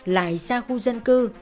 lại xa khu dân cư